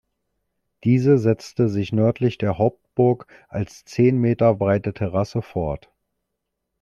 Diese setzte sich nördlich der Hauptburg als zehn Meter breite Terrasse fort.